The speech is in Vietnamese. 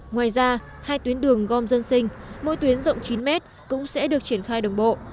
ngoài ra hai tuyến đường gom dân sinh mỗi tuyến rộng chín mét cũng sẽ được triển khai đồng bộ